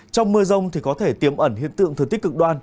trong mưa rông thì có thể tiêm ẩn hiện tượng thừa tích cực đoan